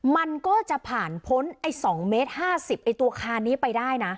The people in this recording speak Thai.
มันก็จะผ่านพ้น๒๕๐เมตรตัวคานนี้ไปได้นะ